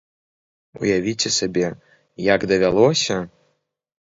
Уявіце сабе, як давялося!